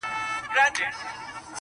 څاڅکي څاڅکي څڅېدلې له انګوره-